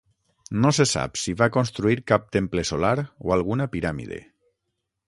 No se sap si va construir cap temple solar o alguna piràmide.